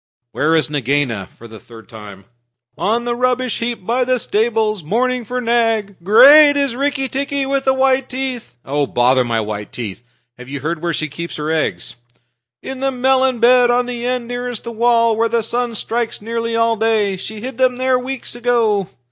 "Where is Nagaina, for the third time?" "On the rubbish heap by the stables, mourning for Nag. Great is Rikki tikki with the white teeth." "Bother my white teeth! Have you ever heard where she keeps her eggs?" "In the melon bed, on the end nearest the wall, where the sun strikes nearly all day. She hid them there weeks ago."